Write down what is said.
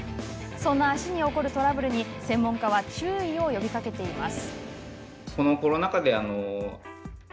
そんな足に起こるトラブルに専門家は注意を呼びかけています。